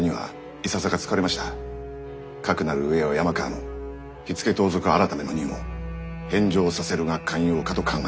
かくなる上は山川の火付盗賊改の任を返上させるが肝要かと考えまする。